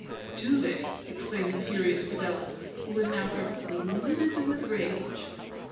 'Do they?' exclaimed the furious Padella, who was now perfectly LIVID with rage.